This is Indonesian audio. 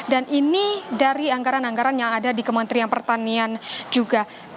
dan ini dari anggaran anggaran yang ada di kementerian pertanian juga